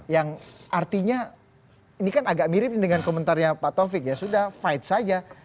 yang artinya ini kan agak mirip dengan komentarnya pak taufik ya sudah fight saja